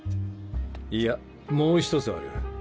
いやもう一つある。